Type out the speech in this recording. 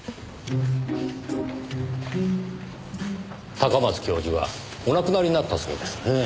高松教授がお亡くなりになったそうですねぇ。